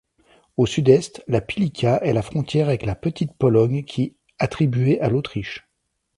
Au sud-est, la Pilica est la frontière avec la Petite-Pologne qui attribuée à l'Autriche.